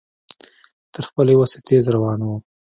تر خپلې وسې تېز روان و.